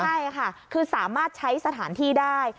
ใช่ค่ะคือสามารถใช้สถานที่ได้